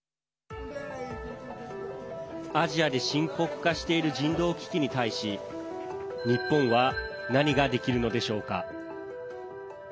アジアで深刻化している人道危機に対し日本は何ができるのでしょうか。